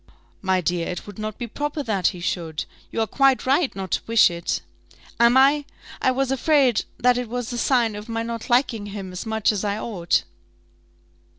"My dear, it would not be proper that he should; you are quite right not to wish it." "Am I? I was afraid that it was a sign of my not liking him as much as I ought."